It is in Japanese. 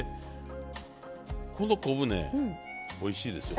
この昆布ねおいしいですよ。